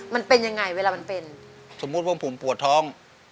มันเป็นยังไงเวลามันเป็นสมมุติว่าผมปวดท้อง